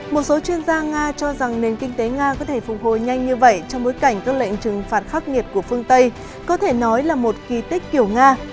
một số chuyên gia nga cho rằng nền kinh tế nga có thể phục hồi nhanh như vậy trong bối cảnh các lệnh trừng phạt khắc nghiệt của phương tây có thể nói là một kỳ tích kiểu nga